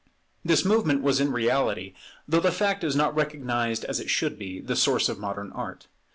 This movement was in reality, though the fact is not recognized as it should be, the source of modern Art.